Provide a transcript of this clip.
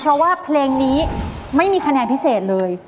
เพราะว่าเพลงนี้ไม่มีคะแนนพิเศษเลย